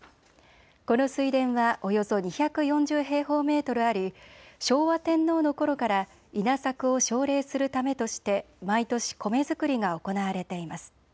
この水田はおよそ２４０平方メートルあり昭和天皇のころから稲作を奨励するためとして毎年米作りが行われています。